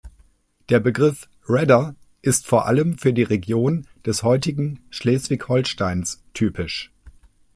Der Begriff Redder ist vor allem für die Region des heutigen Schleswig-Holsteins typisch.